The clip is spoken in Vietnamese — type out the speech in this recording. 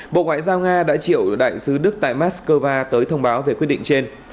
bộ ngoại giao nga đã triệu đại sứ đức tại moscow tới thông báo về quyết định trên